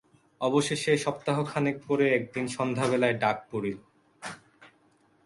অবশেষে সপ্তাহখানেক পরে একদিন সন্ধ্যাবেলায় ডাক পড়িল।